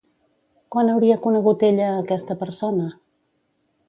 Quan hauria conegut ella a aquesta persona?